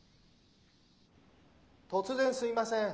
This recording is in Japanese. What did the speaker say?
・突然すいません。